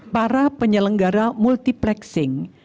para penyelenggara multiplexing